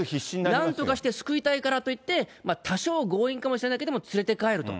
なんとかして救いたいからといって、多少強引かもしれないけれども、連れて帰ると。